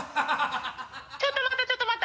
ちょっと待ったちょっと待った！